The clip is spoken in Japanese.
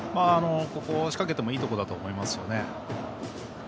ここは仕掛けてもいいところだと思います。